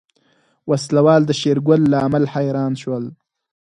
وسله وال د شېرګل له عمل حيران شول.